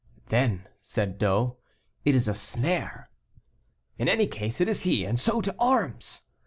"Then," said D'O, "it is a snare." "In any case, it is he; and so to arms!"